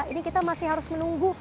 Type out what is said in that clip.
ini kita masih harus menunggu